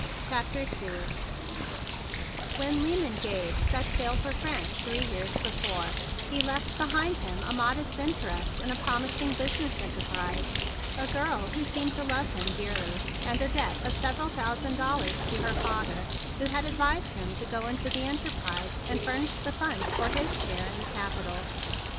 CHAPTER II When Lyman Gage set sail for France three years before, he left be¬ hind him a modest interest in a promis¬ ing business enterprise, a girl who seemed to love him dearly, and a debt of several thousand dollars to her father, who had advised him to go into the enterprise and furnished the funds for his share in the capital.